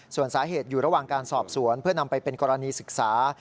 ส่วนสาเหตุอยู่ระหว่างการสอบสวนเพื่อนำไปเป็นกรณีศึกษา